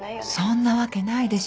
そんなわけないでしょ。